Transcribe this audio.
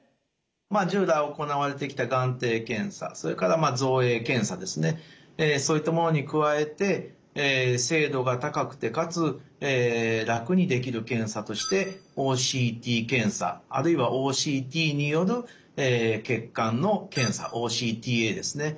まあ従来行われてきた眼底検査それから造影検査ですねそういったものに加えて精度が高くてかつ楽にできる検査としてＯＣＴ検査あるいはＯＣＴによる血管の検査ＯＣＴＡですね。